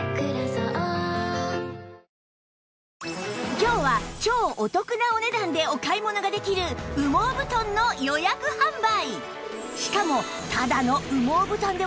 今日は超お得なお値段でお買い物ができる羽毛布団の予約販売！